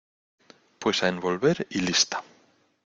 pues a envolver y lista.